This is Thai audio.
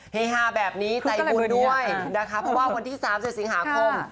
เฮฮาแบบนี้ใจบุญด้วยนะคะเพราะว่าวันที่๓๗สิงหาคม